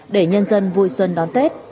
để nhân dân vui xuân đón tết